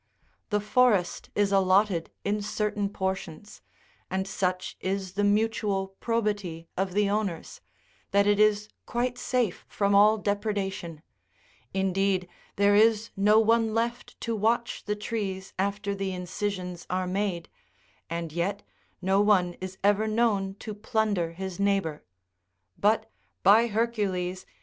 The forest is allotted in certain portions, and such is the mutual probity of the owners, that it is quite safe from all depredation ; indeed, there is no one left to watch the trees after the incisions are made, and yet no one is ever known to Chap. 32.] VAEIOUS KINDS OF FRANKINCENSE. 1 2/ plunder his neighbour. But, by Hercules